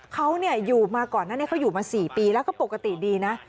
เขาอยู่มาก่อนอยู่มา๔ปีแล้วก็ปกติดีนะ